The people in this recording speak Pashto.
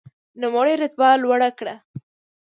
نوموړي رتبه لوړه کړه.